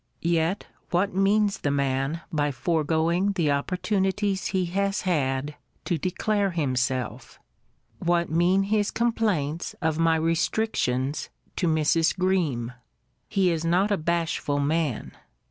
* Yet what means the man by foregoing the opportunities he has had to declare himself? What mean his complaints of my restrictions to Mrs. Greme? He is not a bashful man.